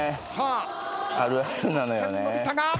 あるあるなのよね。